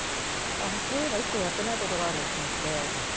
そういえば１個やってないことがあると思って。